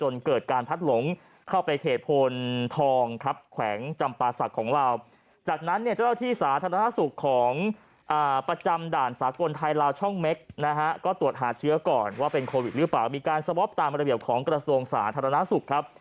ว่าเป็นโควิดหรือเปล่ามีการสวอปตามระเบียบของกระทรวงสาธารณสุขครับ